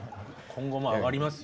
今後も上がります？！